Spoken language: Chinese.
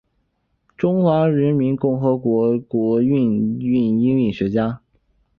中华人民共和国音韵学家。